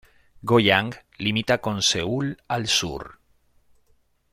Goyang limita con Seúl al sur.